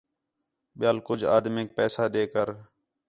ٻِیال کُج آدمینک پیسہ ݙے کر